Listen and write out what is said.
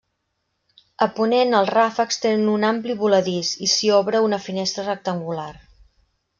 A ponent els ràfecs tenen un ampli voladís i s'hi obre una finestra rectangular.